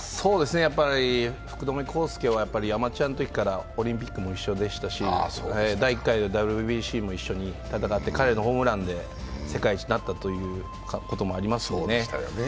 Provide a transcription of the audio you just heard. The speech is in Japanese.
やっぱり福留孝介はアマチュアのときからオリンピックも一緒でしたし、第１回のＷＢＣも一緒に戦って彼のホームランで世界一になったこともありましたね。